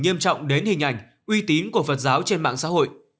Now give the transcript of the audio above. nghiêm trọng đến hình ảnh uy tín của phật giáo trên mạng xã hội